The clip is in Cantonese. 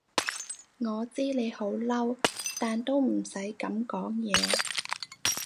我知你好嬲，但都唔使噉講嘢